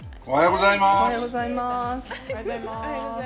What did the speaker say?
おはようございます。